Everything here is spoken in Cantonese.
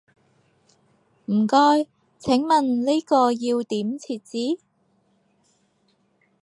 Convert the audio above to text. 唔該，請問呢個要點設置？